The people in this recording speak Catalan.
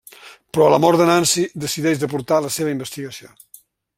Però a la mort de Nancy decideix de portar la seva investigació.